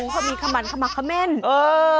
เขามีกับมันเขามากเขม่อนเออ